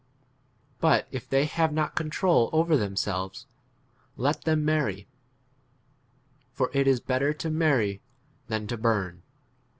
But if they have not control over them selves, let them marry ; for it is< better to marry than to burn.